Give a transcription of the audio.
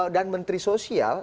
dan menteri sosial